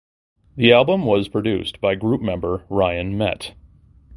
The album was produced by group member Ryan Met.